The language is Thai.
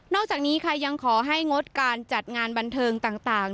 อกจากนี้ค่ะยังขอให้งดการจัดงานบันเทิงต่าง